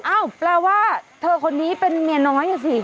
อ้าวแปลว่าเธอคนนี้เป็นเมียน้อยสิ